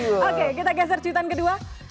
oke kita geser cuitan kedua